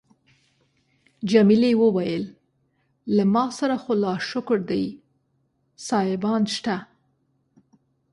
جميلې وويل: له ما سره خو لا شکر دی سایبان شته.